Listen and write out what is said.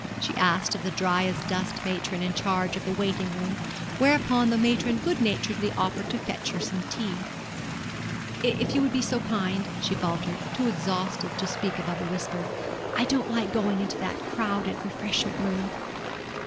she asked of the dry as dust matron in charge of the waiting room; whereupon the matron good naturedly offered to fetch her some tea. 'If you would be so kind,' she faltered, too exhausted to speak above a whisper; 'I don't like going into that crowded refreshment room.'